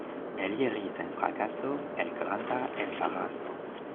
Eliri sen frakaso el granda embaraso.